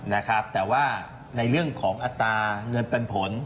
นะครับแต่ว่าในเรื่องของอัตราเงินปันผล